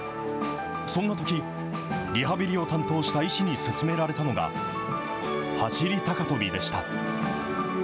そんなとき、リハビリを担当した医師に勧められたのが、走り高跳びでした。